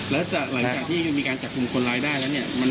แล้วหลังจากที่มีการจับกลุ่มคนร้ายได้แล้วเนี่ย